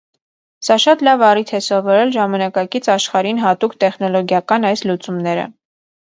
Սա շատ լավ առիթ է սովորել ժամանակակից աշխարհին հատուկ տեխնոլոգիական այս լուծումները։